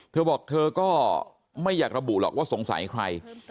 เธอบอกเธอก็ไม่อยากระบุหรอกว่าสงสัยใคร